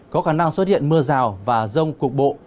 có khả năng xuất hiện mưa rào và rông cục bộ